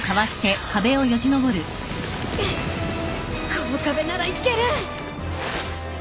この壁ならいける！